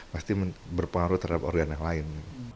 pasti berpengaruh terhadap organ yang lain